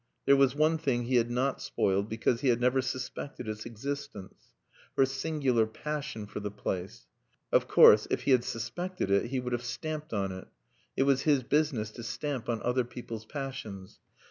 There was one thing he had not spoiled, because he had never suspected its existence her singular passion for the place. Of course, if he had suspected it, he would have stamped on it. It was his business to stamp on other people's passions.